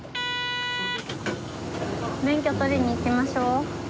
免許取りに行きましょう。